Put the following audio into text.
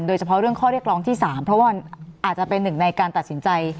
โดยเฉพาะเรื่องข้อเรียกร้องที่๓เพราะว่ามันอาจจะเป็นหนึ่งในการตัดสินใจ